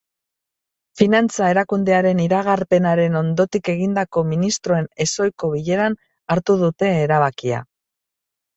Finantza erakundearen iragarpenaren ondotik egindako ministroen ezohiko bileran hartu dute erabakia.